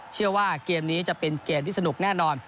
เชื่อว่าเกมนี้จะเป็นเกมที่สนุกแน่นอน